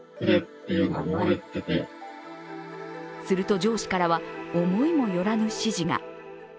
すると、上司からは思いも寄らぬ指示が。